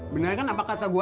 bener kan apa kata gua